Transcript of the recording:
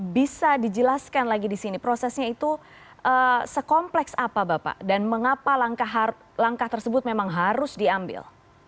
bisa dijelaskan lagi di sini prosesnya itu sekompleks apa bapak dan mengapa langkah tersebut memang harus diambil